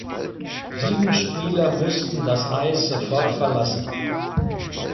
Sieben Spieler mussten das Eis sofort verlassen.